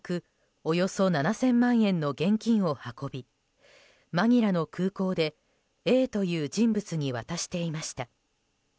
およそ７０００万円の現金を運びマニラの空港でＡという人物に渡していました。